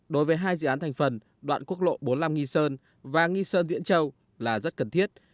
đối với hai dự án thành phần đoạn quốc lộ bốn mươi năm nghi sơn và nghi sơn diễn châu là rất cần thiết